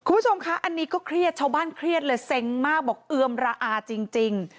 คุณผู้ชมคะอันนี้ก็เครียดชาวบ้านเครียดเลยเซ็งมากบอกเอือมระอาจริง